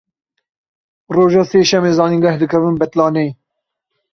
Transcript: Roja sêşemê zanîngeh dikevin betlaneyê.